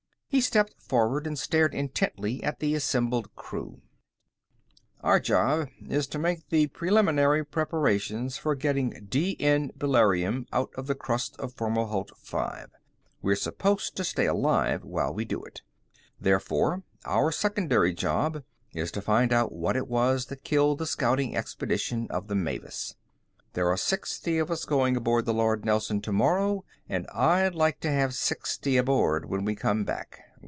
He stepped forward and stared intently at the assembled crew. "Our job is to make the preliminary preparations for getting D N beryllium out of the crust of Fomalhaut V. We're supposed to stay alive while we do it. Therefore, our secondary job is to find out what it was that killed the scouting expedition of the Mavis. There are sixty of us going aboard the Lord Nelson tomorrow, and I'd like to have sixty aboard when we come back.